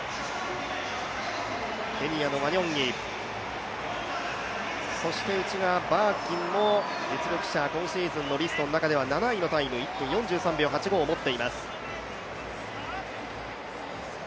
ケニアのワニョンイ、そして内側、バーギンも実力者、今シーズンのリストの中では７位のタイム、１分４３秒８５を持っています。